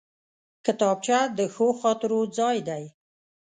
کتابچه د ښو خاطرو ځای دی